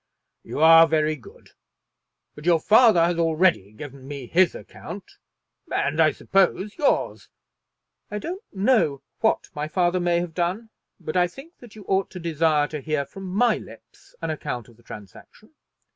"You are very good; but your father has already given me his account, and I suppose yours." "I don't know what my father may have done, but I think that you ought to desire to hear from my lips an account of the transaction.